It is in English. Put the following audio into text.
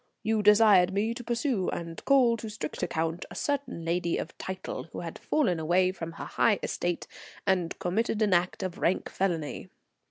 You desired me to pursue and call to strict account a certain lady of title, who had fallen away from her high estate and committed an act of rank felony.